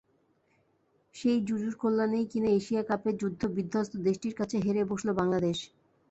সেই জুজুর কল্যাণেই কিনা এশিয়া কাপে যুদ্ধ-বিধ্বস্ত দেশটির কাছে হেরে বসল বাংলাদেশ।